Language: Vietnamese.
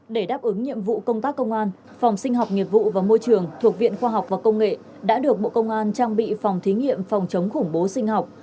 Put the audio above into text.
để đáp ứng nhiệm vụ công tác công an phòng sinh học nghiệp vụ và môi trường thuộc viện khoa học và công nghệ đã được bộ công an trang bị phòng thí nghiệm phòng chống khủng bố sinh học